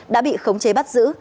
đã bị khống chế bắt giữ